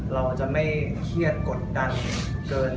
เราจะไม่เครียดกดดันเกิน